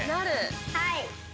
はい。